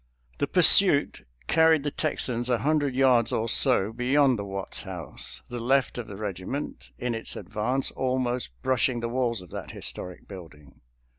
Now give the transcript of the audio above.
The pursuit carried the Texans a hundred yards or so beyond the Watts house, the left of the regiment, in its advance, almost brushing the walls of that historic building.